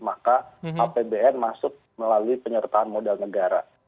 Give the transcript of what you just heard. maka apbn masuk melalui penyertaan modal negara